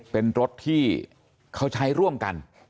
เป็นรถที่เขาใช้ร่วมกัน